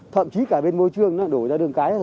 thậm chí cả bên môi trường nó đổ ra đường cái